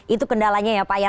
itu kendalanya ya pak